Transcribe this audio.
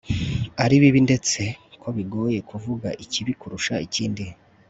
ari bibi ndetse ko bigoye kuvuga ikibi kurusha ikindi